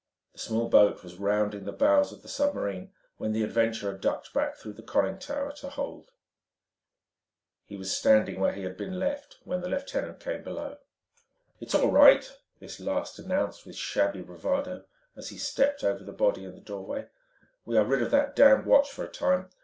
The small boat was rounding the bows of the submarine when the adventurer ducked back through conning tower to hold. He was standing where he had been left when the lieutenant came below. "It's all right," this last announced with shabby bravado as he stepped over the body in the doorway. "We are rid of that damned watch for a time.